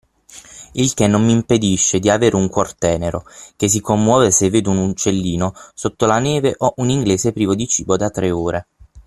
Il che non m’impedisce di avere un cuor tenero, che si commuove se vedo un uccellino sotto la neve o un inglese privo di cibo da tre ore.